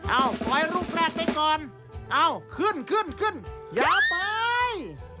เอ้าปล่อยลูกแรกไปก่อนเอ้าขึ้นขึ้นขึ้นอย่าไป